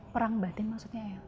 perang batin maksudnya ya